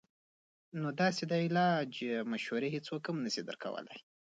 نو داسې د علاج مشورې هيڅوک هم نشي درکولے -